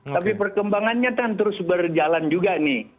tapi perkembangannya kan terus berjalan juga nih